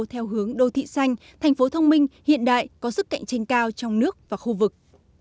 theo hướng đô thị xanh thành phố thông minh hiện đại có sức cạnh tranh cao trong nước và khu vực